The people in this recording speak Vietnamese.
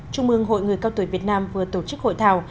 trung mương hội người cao tuổi việt nam vừa tổ chức hội thảo